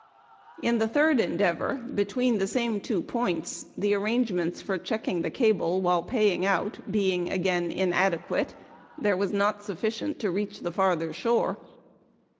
In the third endeavor, between the same two points, the arrangements for checking the cable while paying out being again inadequate, there was not sufficient to reach the farther shore.